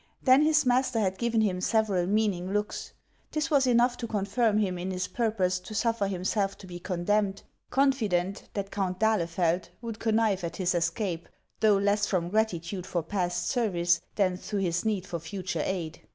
Then, his master had given him several meaning looks : this was enough to confirm him in his purpose to suffer himself to be con demned, confident that Count d'Ahleteld would connive at his escape, though less from gratitude for past service than through his need for future aid.